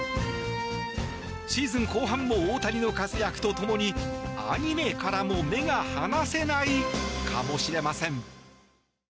シーズン後半も大谷の活躍とともにアニメからも目が離せないかもしれません。